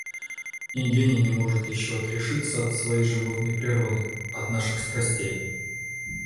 И гений не может еще отрешиться от своей животной породы, от наших страстей.